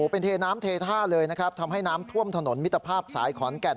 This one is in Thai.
เป็นเทน้ำเทท่าเลยนะครับทำให้น้ำท่วมถนนมิตรภาพสายขอนแก่น